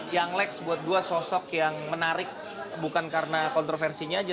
yang lex buat gue sosok yang menarik bukan karena kontroversinya aja